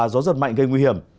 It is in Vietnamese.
gió giật mạnh gây nguy hiểm